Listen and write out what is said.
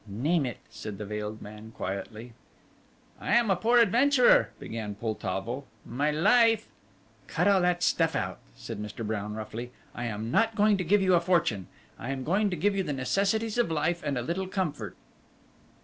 "Name it," said the veiled man quietly. "I am a poor adventurer," began Poltavo; "my life " "Cut all that stuff out," said Mr. Brown roughly, "I am not going to give you a fortune. I am going to give you the necessities of life and a little comfort."